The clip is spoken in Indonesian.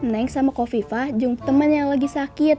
neng sama ko viva jom temen yang lagi sakit